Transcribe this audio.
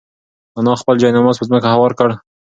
انا خپل جاینماز په ځمکه هوار کړ.